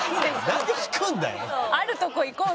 なんで引くんだよ！